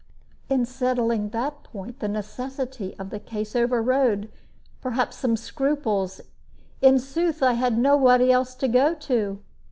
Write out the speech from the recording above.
In settling that point the necessity of the case overrode, perhaps, some scruples; in sooth, I had nobody else to go to.